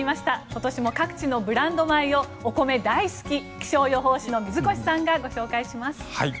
今年も各地のブランド米をお米大好き気象予報士の水越さんがご紹介します。